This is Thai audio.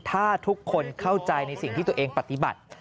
ถ้าทุกคนเข้าใจในสิ่งที่ตัวเองปฏิบัติ